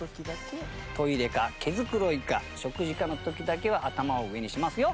トイレか毛づくろいか食事かの時だけは頭を上にしますよ。